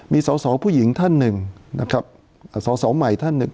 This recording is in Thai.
มีสาวผู้หญิงท่านหนึ่งสาวใหม่ท่านหนึ่ง